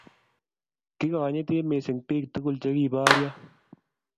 kikonyiti mising biik tugul che kiboryo